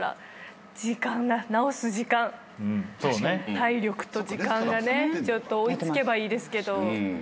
体力と時間がね追い付けばいいですけど。